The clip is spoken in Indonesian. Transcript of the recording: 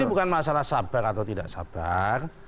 ini bukan masalah sabar atau tidak sabar